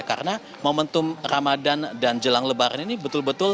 karena momentum ramadhan dan jelang lebaran ini betul betul ya